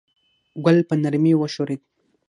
ګل په نرمۍ وښورېد.